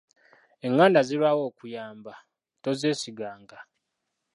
Enganda zirwawo okuyamba, tozeesiganga.